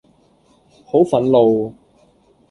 好憤怒